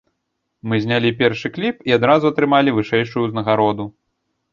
Мы знялі першы кліп і адразу атрымалі вышэйшую ўзнагароду.